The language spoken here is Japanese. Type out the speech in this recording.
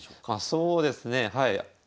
そうですねはい。